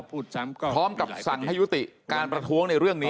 พร้อมกับสั่งให้ยุติการประท้วงในเรื่องนี้